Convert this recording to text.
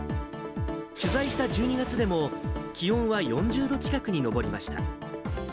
取材した１２月でも、気温は４０度近くに上りました。